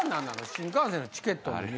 新幹線のチケット。